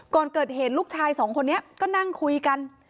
ก่อนเกิดเหตุลูกชายสองคนนี้ก็นั่งคุยกัน